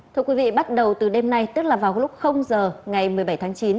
thưa quý vị bắt đầu từ đêm nay tức là vào lúc giờ ngày một mươi bảy tháng chín